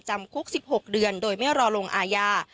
จำคุก๑๖เดือนโดยไม่รอลงอาญา